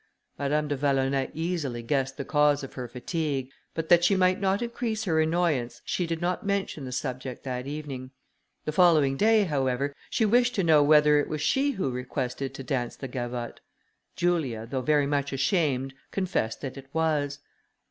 Madame de Vallonay easily guessed the cause of her fatigue; but that she might not increase her annoyance, she did not mention the subject that evening. The following day, however, she wished to know whether it was she who requested to dance the gavotte. Julia, though very much ashamed, confessed that it was.